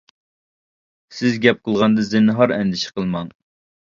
سىز گەپ قىلغاندا زىنھار ئەندىشە قىلماڭ.